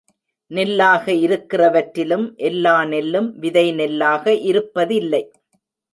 நெல்லாக இருக்கிறவற்றிலும் எல்லா நெல்லும் விதை நெல்லாக இருப்பதில்லை.